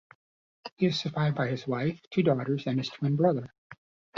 He was survived by his wife, two daughters, and his twin brother.